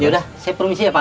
yaudah saya permisi ya pak